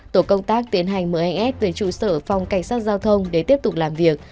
tổ công tác tiến hành mời anh s về trụ sở phòng cảnh sát giao thông để tiếp tục làm việc